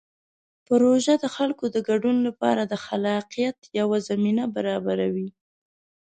پروژه د خلکو د ګډون لپاره د خلاقیت یوه زمینه برابروي.